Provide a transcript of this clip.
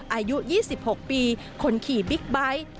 อายุ๒๖ปีคนขี่บิ๊กไบท์